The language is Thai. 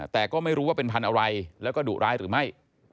แต่ก็ไม่รู้ว่าเป็นพันธุ์อะไรแล้วก็ดุร้ายหรือไม่